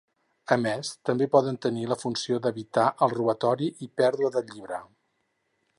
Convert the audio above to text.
A més, també poden tenir la funció d'evitar el robatori i pèrdua del llibre.